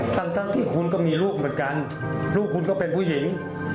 ทั้งที่คุณก็มีลูกเหมือนกันลูกคุณก็เป็นผู้หญิง